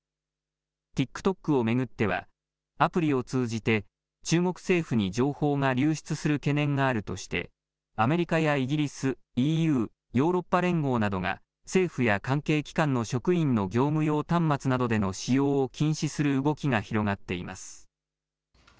ＴｉｋＴｏｋを巡ってはアプリを通じて中国政府に情報が流出する懸念があるとしてアメリカやイギリス、ＥＵ・ヨーロッパ連合などが政府や関係機関の職員の業務用端末などでの使用を禁止する動きが広がっています。